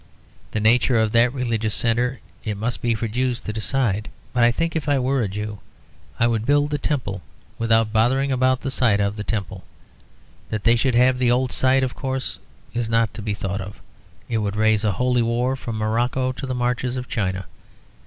The nature of that religious centre it must be for Jews to decide; but I think if I were a Jew I would build the Temple without bothering about the site of the Temple. That they should have the old site, of course, is not to be thought of; it would raise a Holy War from Morocco to the marches of China.